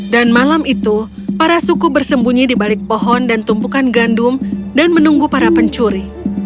dan malam itu para suku bersembunyi di balik pohon dan tumpukan gandum dan menunggu para pencuri